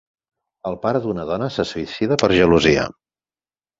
El pare d'una dona se suïcida per gelosia.